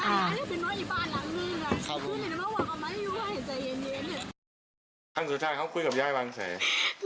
ครั้งสุดท้ายเขาคุยกับยายบ้างใส่